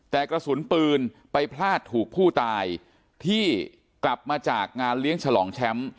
แต่กระสุนปืนไปพลาดถูกผู้ตายที่กลับมาจากงานเลี้ยงฉลองแชมป์